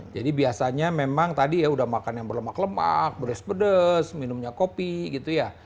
jadi biasanya memang tadi ya udah makan yang berlemak lemak beres pedes minumnya kopi gitu ya